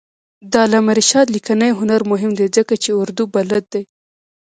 د علامه رشاد لیکنی هنر مهم دی ځکه چې اردو بلد دی.